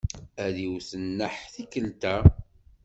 Ad iwet nneḥ tikkelt-a.